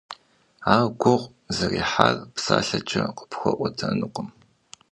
Ар гугъу зэрехьар псалъэкӀэ къыпхуэӀуэтэнукъым.